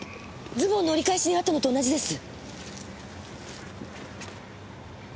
ズボンの折り返しにあったのと同じです。